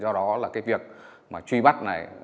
do đó là cái việc truy bắt này